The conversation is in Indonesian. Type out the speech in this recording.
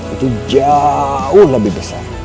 itu jauh lebih besar